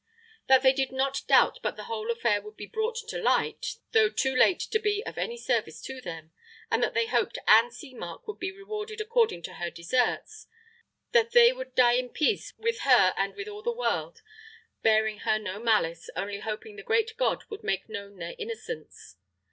That they did not doubt but the whole affair would be brought to light, though too late to be of any service to them; and that they hoped Ann Seamark would be rewarded according to her deserts, that they would die in peace with her and with all the world, bearing her no malice, only hoping the great God would make known their innocence.